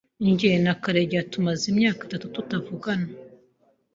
Jye na Karegeya tumaze imyaka itatu tutavugana.